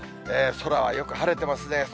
空はよく晴れてますね。